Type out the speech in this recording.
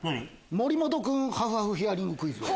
森本君ハフハフヒアリングクイズ。